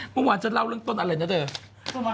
เมื่อวานจะเล่าเรื่องต้นอะไรนะเธอ